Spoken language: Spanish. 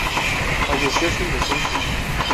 Falleció sin descendencia